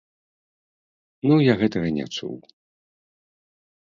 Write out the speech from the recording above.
Ну, я гэтага не чуў.